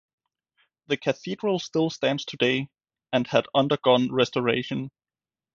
The Cathedral still stands today and had undergone restoration.